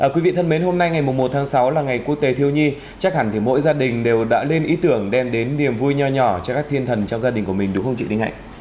quý vị thân mến hôm nay ngày một tháng sáu là ngày quốc tế thiêu nhi chắc hẳn mỗi gia đình đều đã lên ý tưởng đem đến niềm vui nhỏ nhỏ cho các thiên thần trong gia đình của mình đúng không chị đinh hạnh